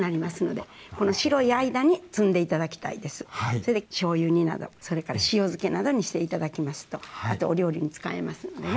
それでしょうゆ煮などそれから塩漬けなどにして頂きますとお料理に使えますのでね。